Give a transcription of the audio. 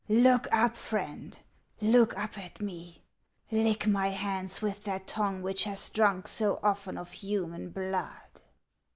Look up, Friend, look up at me ; lick my hands with that tongue which has drunk so often of human blood.